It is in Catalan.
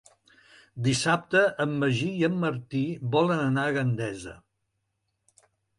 Dissabte en Magí i en Martí volen anar a Gandesa.